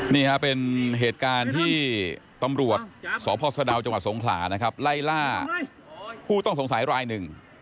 นี่เป็นเหตุการณ์ที่ตำรวจสพสนจสงขลาไล่ล่าผู้ต้องสงสัยรายหนึ่ง